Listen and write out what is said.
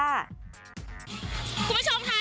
คุณผู้ชมค่ะ